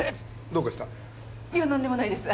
いや何でもないです。